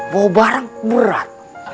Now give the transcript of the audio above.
bawa bareng murah